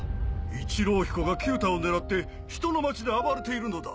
一郎彦が九太を狙って人の街で暴れているのだ。